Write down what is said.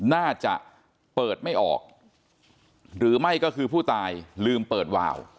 น่าจะเปิดไม่ออกหรือไม่ก็คือผู้ตายลืมเปิดวาว